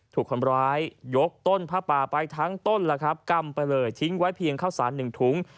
ถูกคนบร้ายยกต้นผ้าป่าไปทั้งต้นกำไปเลยทิ้งไว้เพียงข้าวสาร๑ถุง